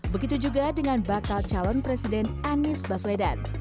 begitu juga dengan bakal calon presiden anies baswedan